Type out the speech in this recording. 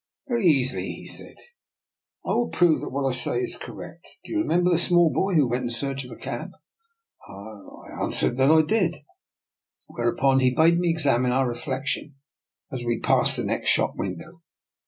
" Very easily," he said: " I will prove that what I say is correct. Do you remember the small boy who went in search of a cab? " I answered that I did, whereupon he bade me examine our reflection as we passed the next shop window.